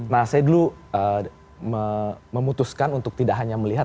nah saya dulu memutuskan untuk tidak hanya melihat